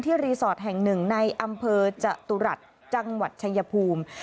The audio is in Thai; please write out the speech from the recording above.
รีสอร์ทแห่งหนึ่งในอำเภอจตุรัสจังหวัดชายภูมิ